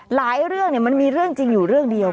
เรื่องมันมีเรื่องจริงอยู่เรื่องเดียว